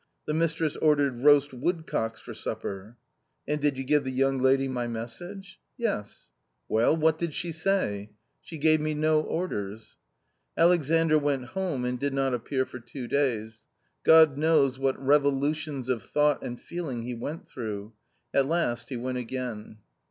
The mistress ordered roast woodcocks for supper." " And did you give the young lady my message ?"" Yes." " Well, what did she say ?"" She gave me no orders." Alexandr went home and did not appear for two days. God knows what revolutions of thought and feeling he went through ; at last he went again.